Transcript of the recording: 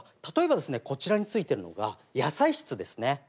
例えばですねこちらについてるのが野菜室ですね。